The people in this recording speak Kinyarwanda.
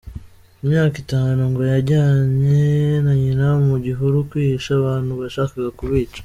Ku myaka itanu, ngo yajyanye na nyina mu gihuru kwihisha abantu bashakaga kubica.